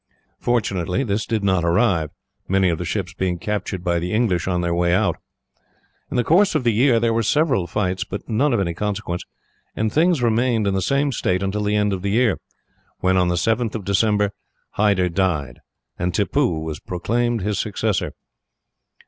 Fortunately, this did not arrive, many of the ships being captured by the English on their way out. In the course of the year there were several fights, but none of any consequence, and things remained in the same state until the end of the year, when, on the 7th of December, Hyder died, and Tippoo was proclaimed his successor.